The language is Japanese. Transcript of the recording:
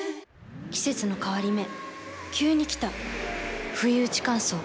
季節の変わり目急に来たふいうち乾燥。